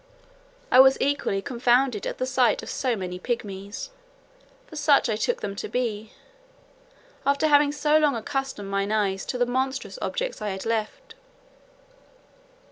I was equally confounded at the sight of so many pigmies, for such I took them to be, after having so long accustomed my eyes to the monstrous objects I had left.